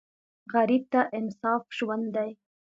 غریب ته انصاف ژوند دی